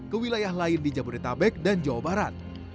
kewilayah lain di jabodetabek dan jawa barat